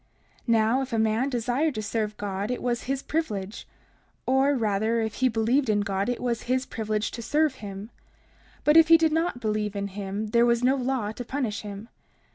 30:9 Now if a man desired to serve God, it was his privilege; or rather, if he believed in God it was his privilege to serve him; but if he did not believe in him there was no law to punish him.